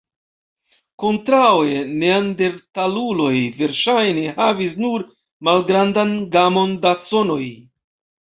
Kontraŭe, neandertaluloj verŝajne havis nur malgrandan gamon da sonoj.